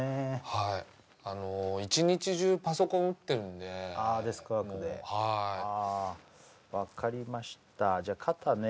はいあの一日中パソコン打ってるんでああデスクワークではい分かりましたじゃあ肩ね